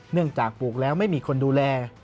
เนื่องจากปลูกแล้วไม่มีคนดูแล